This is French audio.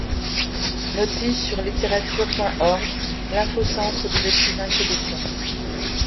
Notice sur litterature.org, l'infocentre des écrivains québécois.